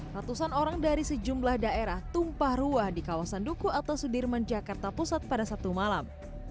ratusan orang dari sejumlah daerah tumpah ruah di kawasan duku atas sudirman jakarta pusat pada sabtu malam